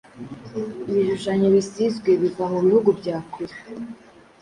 Ibishushanyo bisizwebiva mu bihugu bya kure